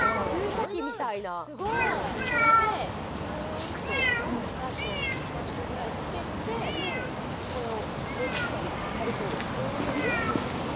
注射器みたいなこれでピューっと１カ所２カ所ぐらいつけてこれを目の下に貼るそうですいきます